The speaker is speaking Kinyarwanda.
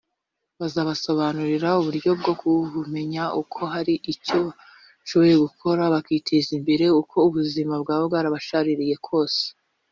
bazanabasobanurira uburyo bwo kumenya ko hari icyo bashoboye gukora bakiteza imbere uko ubuzima bwaba bwarabashaririye kose